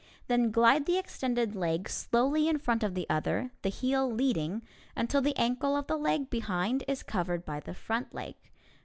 Then glide the extended leg slowly in front of the other, the heel leading, until the ankle of the leg behind is covered by the front leg.